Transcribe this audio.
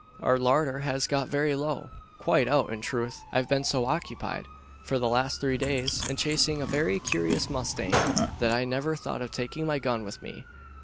Our larder has got very low quite out, in truth. I've been so occupied, for the last three days, in chasing a very curious mustang, that I never thought of taking my gun with me.